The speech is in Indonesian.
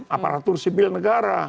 aparatur sipil negara